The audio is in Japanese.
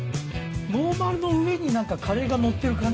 ノーマルの上に何かカレーが載ってる感じ？